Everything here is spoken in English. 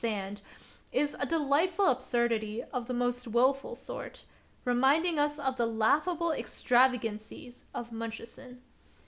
And I sprang for a delightful absurdity of the most willful sort, reminding us of the laughable extravagancies of Munchausen.